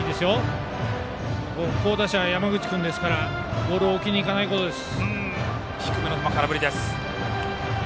好打者、山口君ですからボールを置きに行かないことです。